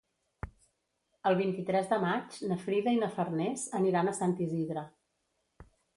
El vint-i-tres de maig na Frida i na Farners aniran a Sant Isidre.